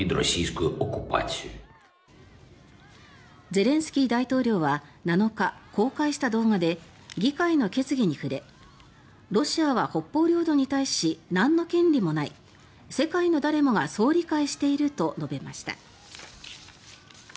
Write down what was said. ゼレンスキー大統領は７日公開した動画で議会の決議に触れロシアは北方領土に対しなんの権利もない世界の誰もがそう理解していると述べました。